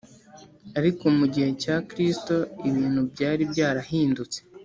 ariko mu gihe cya kristo ibintu byari byarahindutse